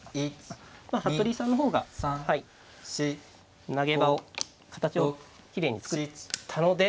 まあ服部さんの方が投げ場を形をきれいに作ったので。